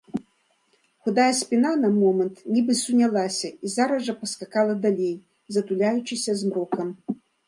Худая спіна на момант нібы сунялася і зараз жа паскакала далей, затуляючыся змрокам.